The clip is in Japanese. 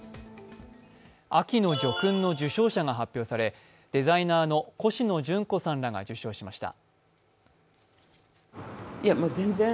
秋の叙勲の受章者が発表されデザイナーのコシノジュンコさんらが受章しました。